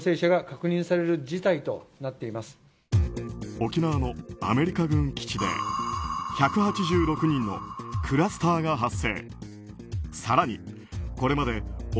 沖縄のアメリカ軍基地で１８６人のクラスターが発生。